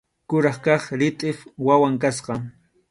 Kuraq kaq ritʼip wawan kasqa.